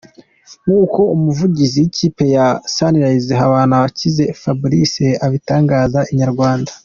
Nk’ uko umuvugizi w’ ikipe ya Sunrise Habanabakize Fabrice abitangariza Inyarwanda.